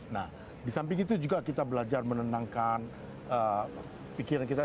nah di samping itu juga kita belajar menenangkan pikiran kita